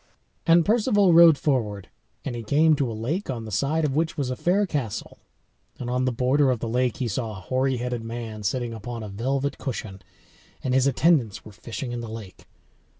And Perceval rode forward. And he came to a lake on the side of which was a fair castle, and on the border of the lake he saw a hoary headed man sitting upon a velvet cushion, and his attendants were fishing in the lake.